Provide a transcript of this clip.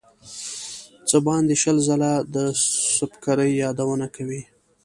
څه باندې شل ځله د سُبکري یادونه کوي.